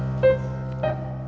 kalau gue gak jual